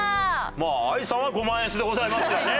まあ愛さんはご満悦でございますがね。